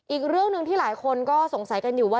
อีกเรื่องหนึ่งที่หลายคนก็สงสัยกันอยู่ว่า